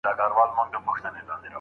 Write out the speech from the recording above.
اوس نه راکوي راته پېغور باڼه